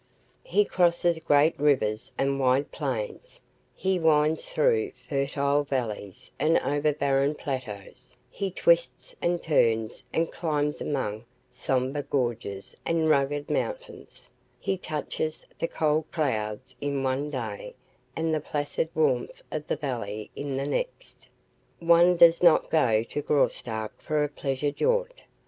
He crosses great rivers and wide plains; he winds through fertile valleys and over barren plateaus; he twists and turns and climbs among sombre gorges and rugged mountains; he touches the cold clouds in one day and the placid warmth of the valley in the next. One does not go to Graustark for a pleasure jaunt.